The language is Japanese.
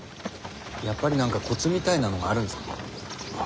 やっぱり何かコツみたいなのがあるんですか？